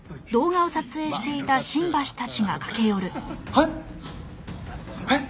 「えっ？えっ？